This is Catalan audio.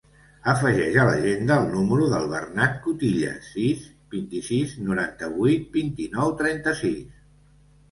Afegeix a l'agenda el número del Bernat Cutillas: sis, vint-i-sis, noranta-vuit, vint-i-nou, trenta-sis.